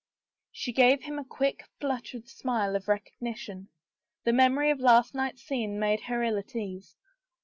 She gave him a quick, fluttered smile of recognition.. The memory of last night's scene made her ill at ease.